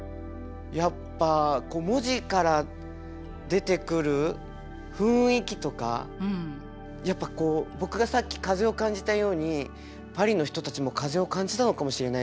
やっぱ文字から出てくる雰囲気とかやっぱこう僕がさっき風を感じたようにパリの人たちも風を感じたのかもしれないですね。